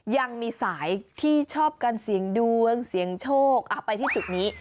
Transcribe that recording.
ยังมีสายที่ชอบการเสี่ยงดวงเสี่ยงโชคไปที่จุดนี้